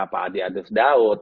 pak adi ades daud